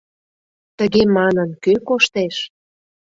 Тыге манын, кӧ коштеш?